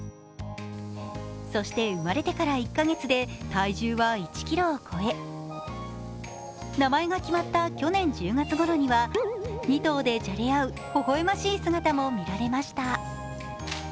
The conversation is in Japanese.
そして、生まれて１カ月で体重は１ｋｇを超え名前が決まった去年１０月ごろには２頭でじゃれ合うほほえましい姿も見られました。